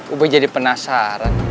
ube jadi penasaran